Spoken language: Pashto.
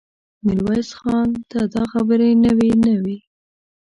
ميرويس خان ته دا خبرې نوې نه وې.